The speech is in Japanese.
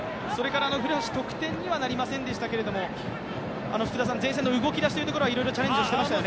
古橋、得点にはなりませんでしたけれども、前線の動き出しというところはいろいろチャレンジをしていましたよね。